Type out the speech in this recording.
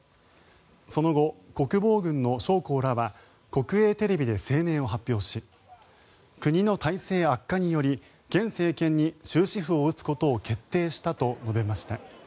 その後、国防軍の将校らは国営テレビで声明を発表し国の体制悪化により現政権に終止符を打つことを決定したと述べました。